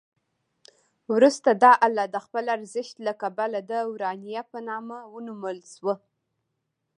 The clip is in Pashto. وروسته دا آله د خپل ارزښت له کبله د ورنیه په نامه ونومول شوه.